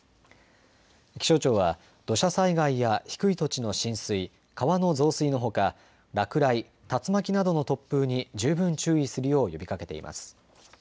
気象庁は土砂災害や低い土地の浸水、川の増水のほか落雷、竜巻などの突風に十分注意するよう呼びかけています。